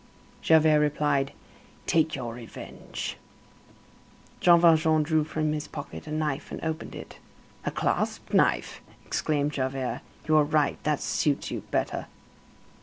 Javert replied: "Take your revenge." Jean Valjean drew from his pocket a knife, and opened it. "A clasp knife!" exclaimed Javert, "you are right. That suits you better."